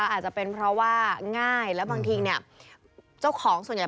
อาจจะเป็นเพราะว่าง่ายแล้วบางทีเนี่ยเจ้าของส่วนใหญ่